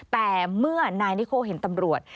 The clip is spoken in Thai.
แต่เมื่อนายนิโคเห็นตำรวจ